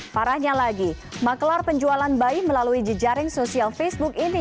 parahnya lagi maklar penjualan bayi melalui jejaring sosial facebook ini